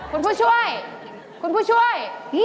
คุณผู้ช่วยคุณผู้ช่วย